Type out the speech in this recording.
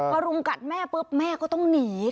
พอรุมกัดแม่แม่ก็ต้องหนีค่ะ